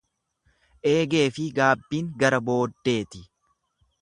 Eegeefi gaabbiin gara booddeeti.